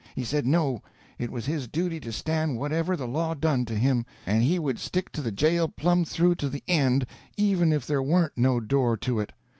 He said no, it was his duty to stand whatever the law done to him, and he would stick to the jail plumb through to the end, even if there warn't no door to it.